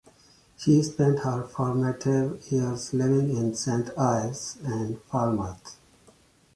She spent her formative years living in Saint Ives and Falmouth.